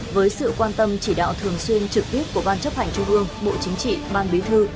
với sự quan tâm chỉ đạo thường xuyên trực tiếp của ban chấp hành trung ương bộ chính trị ban bí thư